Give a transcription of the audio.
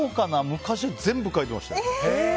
昔は全部書いてました。